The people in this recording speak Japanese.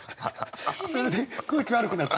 それで空気悪くなった？